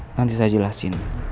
nanti saya jelasin